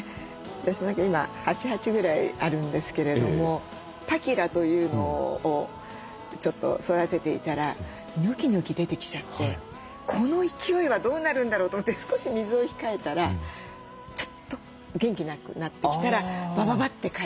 私も今８鉢ぐらいあるんですけれどもパキラというのをちょっと育てていたらニョキニョキ出てきちゃってこの勢いはどうなるんだろうと思って少し水を控えたらちょっと元気なくなってきたらバババッて枯れてというような。